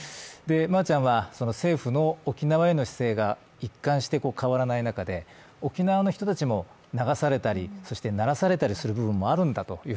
まーちゃんは、政府の沖縄への姿勢が一貫して変わらない中で沖縄の人たちも流されたり、慣らされたりする部分もあるんだと。